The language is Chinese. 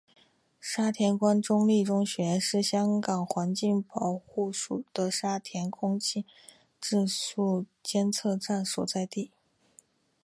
沙田官立中学亦是香港环境保护署的沙田空气质素监测站所在地。